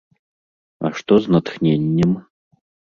А што з натхненнем?